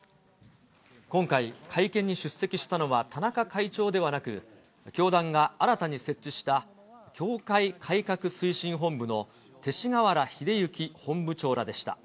今回、会見に出席したのは、田中会長ではなく、教団が新たに設置した教会改革推進本部の勅使河原秀行本部長でし